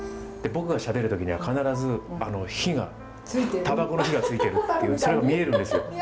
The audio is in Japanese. で僕がしゃべる時には必ず火がタバコの火がついてるっていうそれが見えるんですよ。